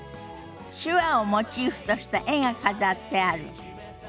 手話をモチーフとした絵が飾ってある。